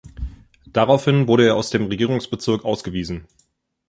Daraufhin wurde er aus dem Regierungsbezirk ausgewiesen.